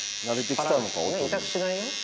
痛くしないよ。